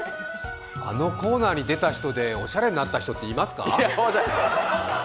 あのコーナーに出た人でおしゃれになった人いますか？